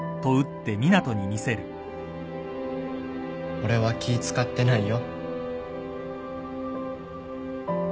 俺は気使ってないよ。